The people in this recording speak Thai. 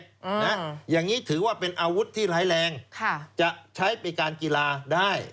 อืมนะอย่างนี้ถือว่าเป็นอาวุธที่ร้ายแรงค่ะจะใช้เป็นการกีฬาได้